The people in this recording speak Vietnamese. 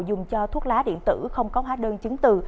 dùng cho thuốc lá điện tử không có hóa đơn chứng từ